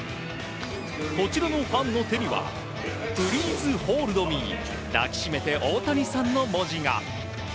こちらのファンの手にはプリーズホールドミー抱き締めて大谷さんの文字が。